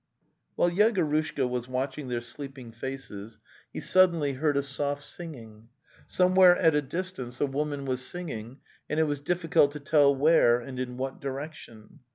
While Yegorushka was watching their sleeping faces he suddenly heard a soft singing; somewhere at a distance a woman was singing, and it was difh cult to tell where and in what direction.